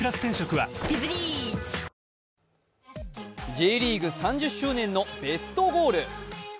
Ｊリーグ３０周年のベストゴール。